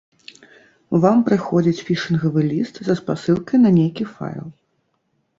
Вам прыходзіць фішынгавы ліст са спасылкай на нейкі файл.